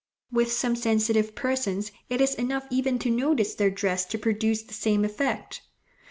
With some sensitive persons it is enough even to notice their dress to produce the same effect.